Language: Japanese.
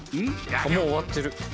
もう終わってる。